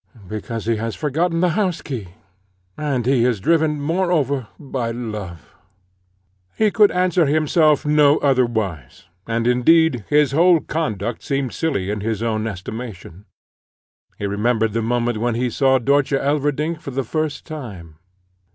Because he has forgotten the house key, and he is driven moreover by love." He could answer himself no otherwise, and indeed his whole conduct seemed silly in his own estimation. He remembered the moment when he saw Dörtje Elverdink for the first time.